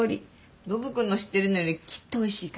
ノブ君の知ってるのよりきっとおいしいから。